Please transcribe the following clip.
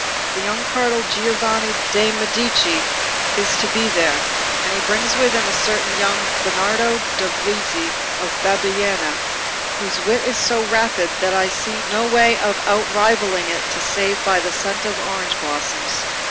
The young cardinal Giovanni de' Medici is to be there, and he brings with him a certain young Bernardo Dovizi of Bibbiena, whose wit is so rapid that I see no way of out rivalling it save by the scent of orange blossoms."